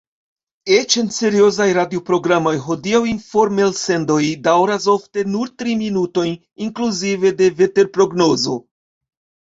Eĉ en seriozaj radioprogramoj hodiaŭ informelsendoj daŭras ofte nur tri minutojn, inkluzive de veterprognozo.